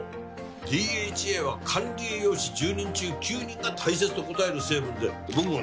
ＤＨＡは管理栄養士１０人中９人が大切と答える成分で僕もね